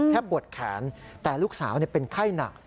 ปวดแขนแต่ลูกสาวเป็นไข้หนัก